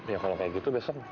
ya kalau kayak gitu besok